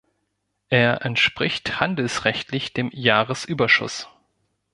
Er entspricht handelsrechtlich dem Jahresüberschuss.